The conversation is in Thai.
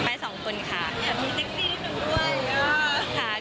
อยากมีเซ็กซี่นึงด้วย